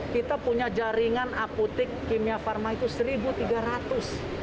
kita punya jaringan apotek kimia pharma itu rp satu tiga ratus